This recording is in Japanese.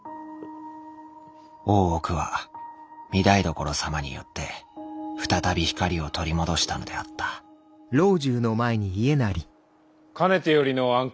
大奥は御台所様によって再び光を取り戻したのであったかねてよりの案件